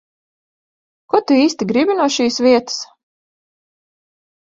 Ko tu īsti gribi no šīs vietas?